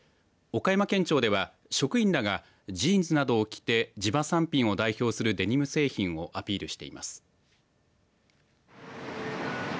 岡山県庁では職員らがジーンズなどを着て地場産品を代表するデニム製品をアピールしています。